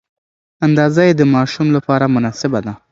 اندازه یې د ماشوم لپاره مناسبه ده.